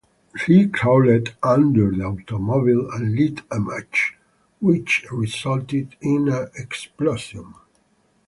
He crawled under the automobile and lit a match which resulted in an explosion.